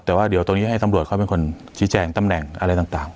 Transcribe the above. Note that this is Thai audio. แต่ว่าเดี๋ยวตรงนี้ให้ตำรวจเขาเป็นคนชี้แจงตำแหน่งอะไรต่าง